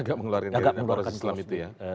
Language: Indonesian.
agak mengeluarkan poros islam itu ya